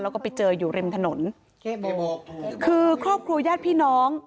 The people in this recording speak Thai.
แล้วก็ไปเจออยู่ริมถนนคือครอบครัวญาติพี่น้อง